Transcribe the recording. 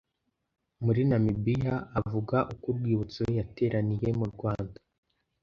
muri Namibiya avuga uko Urwibutso yateraniye murwanda